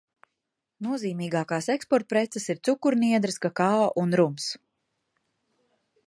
Nozīmīgākās eksportpreces ir cukurniedres, kakao un rums.